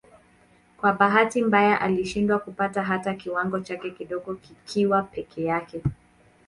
Kwa bahati mbaya alishindwa kupata hata kiwango chake kidogo kikiwa peke yake.